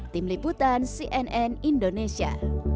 tim liputan cnn indonesia